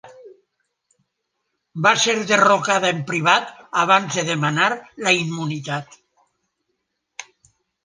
Va ser derrocada en privat abans de demanar la immunitat.